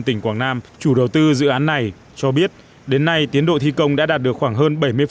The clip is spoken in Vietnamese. tỉnh quảng nam chủ đầu tư dự án này cho biết đến nay tiến độ thi công đã đạt được khoảng hơn bảy mươi